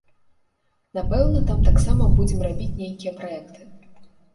Напэўна, там таксама будзем рабіць нейкія праекты.